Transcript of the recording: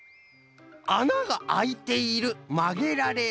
「あながあいている」「まげられる」。